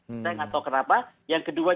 kita nggak tahu kenapa yang kedua